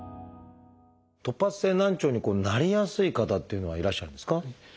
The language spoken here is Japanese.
突発性難聴になりやすい方っていうのはいらっしゃるんですか？